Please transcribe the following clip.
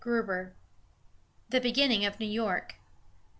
XXXVIII. THE BEGINNING OF NEW YORK.